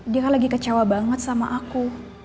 dia lagi kecewa banget sama aku